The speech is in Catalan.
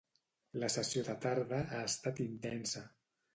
La sessió de tarda ha estat intensa.